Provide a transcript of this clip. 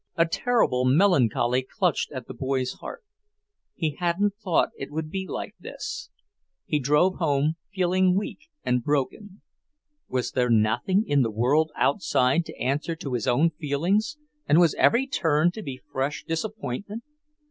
A terrible melancholy clutched at the boy's heart. He hadn't thought it would be like this. He drove home feeling weak and broken. Was there nothing in the world outside to answer to his own feelings, and was every turn to be fresh disappointment?